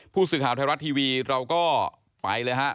ผู้สื่อข่าวไทยรัฐทีวีเราก็ไปเลยฮะ